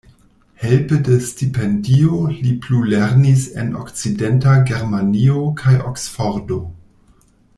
Helpe de stipendio li plulernis en Okcidenta Germanio kaj Oksfordo.